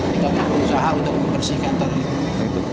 kita berusaha untuk membersihkan tol itu